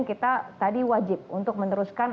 kita tadi wajib untuk meneruskan